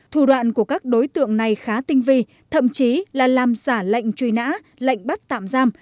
thủ đoạn của các đối tượng này khá tinh vi thậm chí là làm giả lệnh truy nã lệnh bắt tạm giam